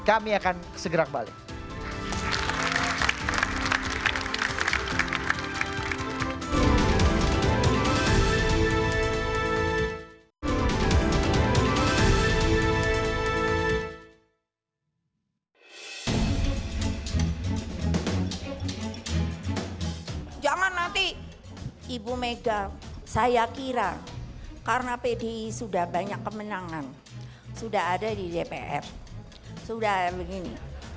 kami akan segera kembali